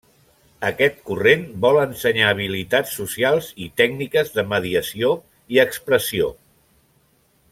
Aquest corrent vol ensenyar habilitats socials i tècniques de mediació i expressió.